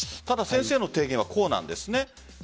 ただ、先生の提言はこうなんですね。